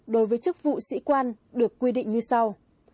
đối với chức vụ sĩ quan được quy định như sau